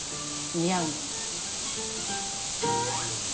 似合うもの。